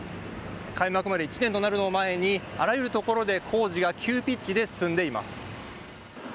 開幕まで１年となるのを前に、あらゆるところで工事が急ピッチで進んでいます。